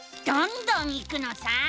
どんどんいくのさ！